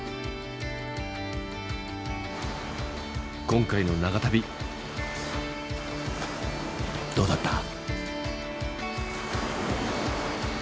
今回の長旅どうだった？